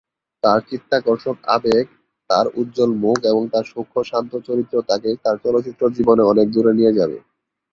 তার চিত্তাকর্ষক আবেগ, তার উজ্জ্বল মুখ এবং তার সূক্ষ্ম শান্ত চরিত্র, তাকে তার চলচ্চিত্র জীবনে অনেক দূরে নিয়ে যাবে।